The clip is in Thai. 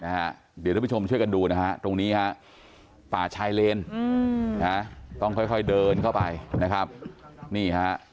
เดี๋ยวท่านผู้ชมช่วยกันดูนะฮะตรงนี้ฮะป่าชายเลนต้องค่อยเดินเข้าไปนะครับนี่ฮะ